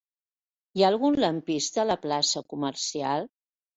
Hi ha algun lampista a la plaça Comercial?